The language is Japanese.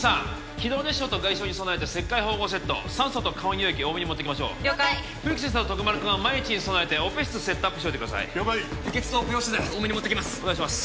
気道熱傷と外傷に備えて切開縫合セット酸素と加温輸液多めに持っていきましょう了解冬木先生と徳丸君は万一に備えてオペ室セットアップしといてください了解輸血とオペ用資材多めに持っていきますお願いします